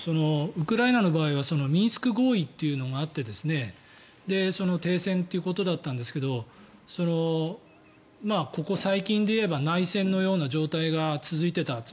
ウクライナの場合はミンスク合意っていうのがあって停戦ということだったんですがここ最近で言えば内戦のような状態が続いていた。